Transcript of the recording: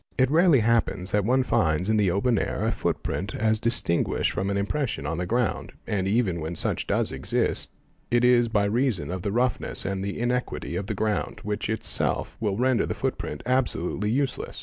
It rarely hap "pens that one finds in the open air a footprint as distinguished from an Mmpression on the ground, and even when such does exist it is by reason _ of the roughness and the inequality of the ground which itself will render the footprint absolutely useless.